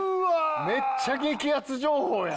めっちゃ激アツ情報やん。